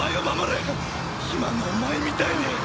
今のお前みたいに。